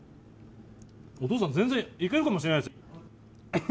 お父さん全然いけるかもしれないです。